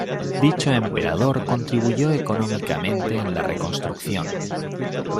Dicho emperador contribuyó económicamente en la reconstrucción.